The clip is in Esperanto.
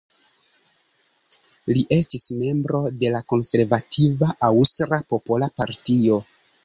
Li estis membro de la konservativa Aŭstra Popola Partio.